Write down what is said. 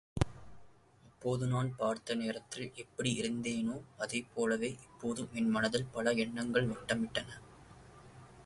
அப்போது நான் பார்த்த நேரத்தில் எப்படி இருந்தேனோ அதைப் போலவே இப்போதும் என் மனத்தில் பல எண்ணங்கள் வட்டமிட்டன.